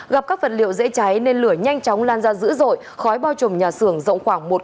gặp các vật liệu dễ cháy nên lửa nhanh chóng lan ra dữ dội khói bao trùm nhà xưởng rộng khoảng một ba trăm linh m hai